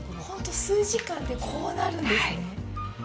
ほんと数時間でこうなるんですね。